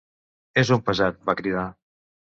“És un pesat!”, va cridar.